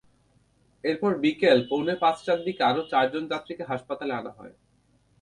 এরপর বিকেল পৌনে পাঁচটার দিকে আরও চারজন যাত্রীকে হাসপাতালে আনা হয়।